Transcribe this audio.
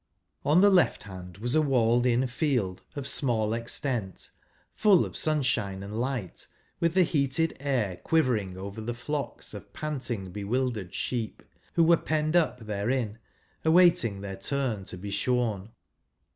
On the left hand was a walled in field of small extent, full of sun¬ shine and light, with the heated air quivering over the flocks of panting bewildered sheep, who were penned up therein, awaiting their turn to be shorn.